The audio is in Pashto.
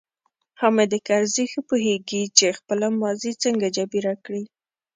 حامد کرزی ښه پوهیږي چې خپله ماضي څنګه جبیره کړي.